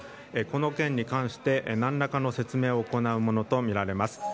この件に関して何らかの説明を行うものとみられます。